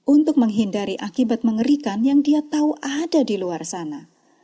untuk menghindari akibat mengerikan yang dia tahu ada di luar sana